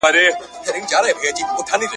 څاڅکي څاڅکي مي د اوښکو ,